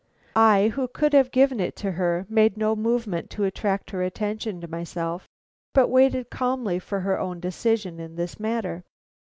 I, who could have given it to her, made no movement to attract her attention to myself, but waited calmly for her own decision in this matter.